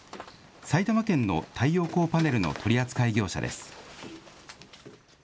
埼玉県の太陽光パネルの取り扱い業者です。